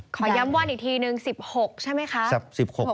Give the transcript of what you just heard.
ขอย้ำวันอีกทีนึง๑๖ใช่ไหมคะ